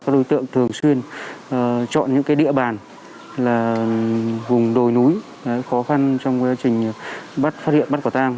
đối tượng thường xuyên chọn những địa bàn là vùng đồi núi khó khăn trong quá trình phát hiện bắt quả tang